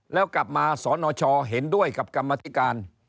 แล้วกลับมาสนชเห็นด้วยกับกรรมธิการ